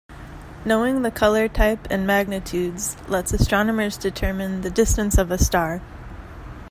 Knowing the color type and magnitudes lets astronomers determine the distance of a star.